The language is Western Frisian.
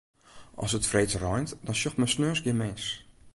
As it freeds reint, dan sjocht men sneons gjin mins.